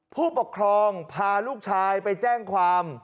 ผู้ปกครองพาลูกชายไปแจ้งความ